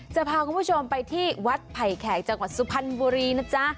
จะพาคุณผู้ชมไปที่วัดไผ่แขกจังหวัดสุพรรณบุรีนะจ๊ะ